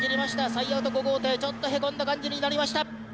最アウト５号艇ちょっとへこんだ感じになりました。